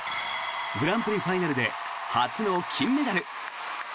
グランプリファイナルで初の金メダル。